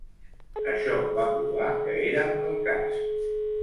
Això va provar que era el cas.